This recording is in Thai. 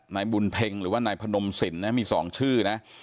นายบุญเพ็งหรือว่านายพนมสินนะมี๒ชื่อนะ